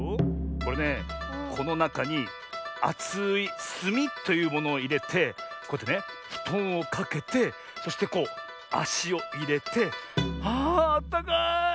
これねこのなかにあつい「すみ」というものをいれてこうやってねふとんをかけてそしてこうあしをいれてああったかい。